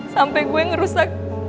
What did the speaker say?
sampai gue ngerusak